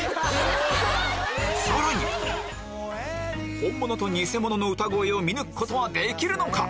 さらに本物と偽物の歌声を見抜くことはできるのか？